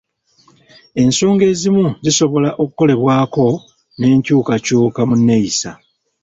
Ensonga ezimu zisobola okukolebwako n'enkyukakyuka mu nneeyisa.